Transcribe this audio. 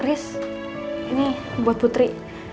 riz ini buat putri